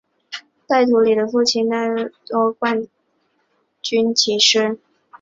戴图理的父亲戴达利亦为意大利多届冠军骑师。